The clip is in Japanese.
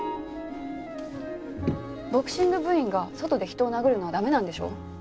ボクシング部員が外で人を殴るのは駄目なんでしょ？